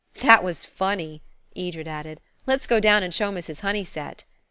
"That was funny," Edred added; "let's go down and show Mrs. Honeysett."